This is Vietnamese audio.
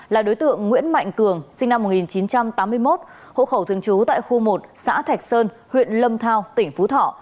là đối tượng nguyễn mạnh cường sinh năm một nghìn chín trăm tám mươi một hộ khẩu thường trú tại khu một xã thạch sơn huyện lâm thao tỉnh phú thọ